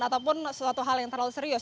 ataupun suatu hal yang terlalu serius